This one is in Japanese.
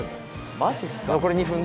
マジっすか。